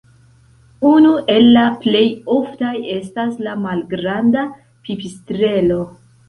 Unu el la plej oftaj estas la malgranda Pipistrelo.